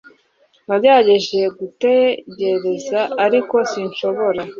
Nagerageje gutekereza ariko sinshobora